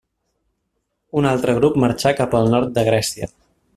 Un altre grup marxà cap al nord de Grècia.